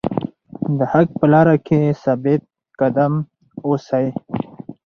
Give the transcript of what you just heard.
د حق په لاره کې ثابت قدم اوسئ.